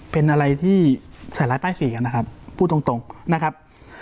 เป็นอะไรที่ใส่ร้ายป้ายสีกันนะครับพูดตรงนะครับ